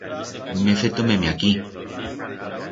M'he feto meme aquí.